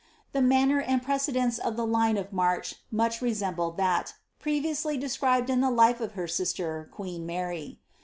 The manner and precedence of the line of march much resemblwl that, previously described in the life of her sister, queen Mary.